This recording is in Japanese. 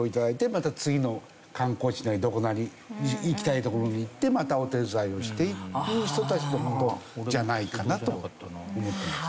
また次の観光地なりどこなり行きたい所に行ってまたお手伝いをしていく人たちの事じゃないかなと。